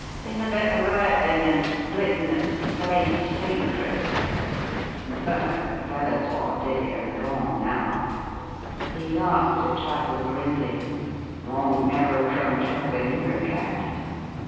Bin a bit of riotin' an' splittin' uv state secrets. But the fellers wot did it are gorn now" he laughed a trifle grimly "won't never come troublin' 'ere again.